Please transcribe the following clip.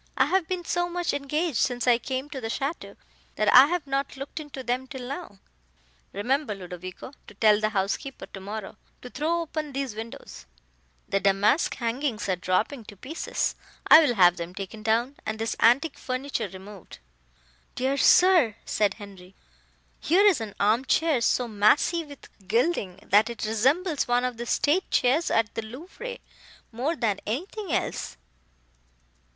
I have been so much engaged since I came to the château, that I have not looked into them till now. Remember, Ludovico, to tell the housekeeper, tomorrow, to throw open these windows. The damask hangings are dropping to pieces, I will have them taken down, and this antique furniture removed." "Dear sir!" said Henri, "here is an arm chair so massy with gilding, that it resembles one of the state chairs at the Louvre, more then anything else."